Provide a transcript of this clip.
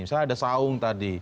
misalnya ada saung tadi